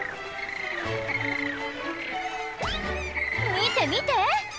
見て見て！